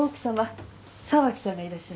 沢木さんがいらっしゃいました。